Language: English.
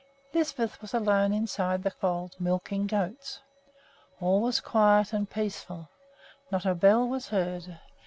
Lisbeth was alone inside the fold, milking goats. All was quiet and peaceful. Not a bell was heard.